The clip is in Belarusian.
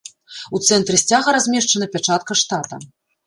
У цэнтры сцяга размешчана пячатка штата.